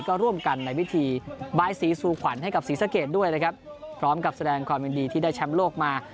ก็ร่วมกันในวิธีบายสีสู่ขวัญให้กับศรีสะเกดด้วยนะครับพร้อมกับแสดงความยินดีที่ได้แชมป์โลกมา